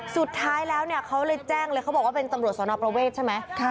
สุดท้ายแล้วเนี่ยเขาเลยแจ้งเลยเขาบอกว่าเป็นตำรวจสนประเวทใช่ไหม